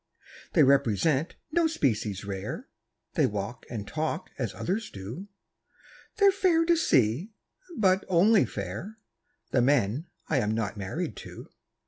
They represent no species rare, They walk and talk as others do; They're fair to see but only fair The men I am not married to.